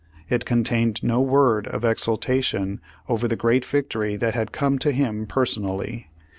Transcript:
It contained no word of exultation over the great victory that had come to him personally.